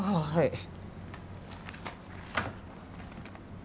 はい。